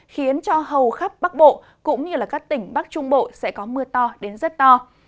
khiến cho hầu khắp bắc bộ cũng như các tỉnh bắc trung bộ sẽ có mưa to đến rất to